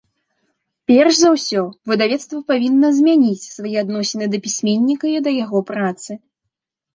Перш за ўсё выдавецтва павінна змяніць свае адносіны да пісьменніка і да яго працы.